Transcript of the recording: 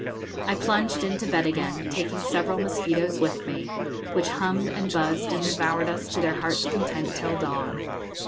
I plunged into bed again, taking several mosquitoes with me, which hummed and buzzed and devoured us to their hearts' content till dawn.